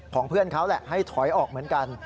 เพื่อนเขาแหละให้ถอยออกเหมือนกัน